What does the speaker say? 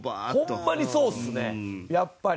ホンマにそうですねやっぱり。